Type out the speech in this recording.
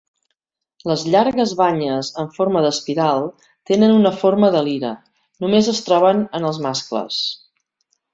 Les llargues banyes en forma d'espiral tenen una forma de lira, només es troben en els mascles.